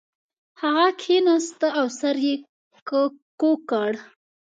هغه کښیناست او سر یې کږ کړ